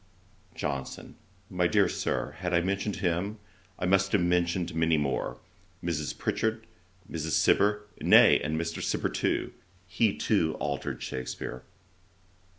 JOHNSON. 'My dear Sir, had I mentioned him, I must have mentioned many more: Mrs. Pritchard, Mrs. Cibber, nay, and Mr. Cibber too; he too altered Shakspeare.'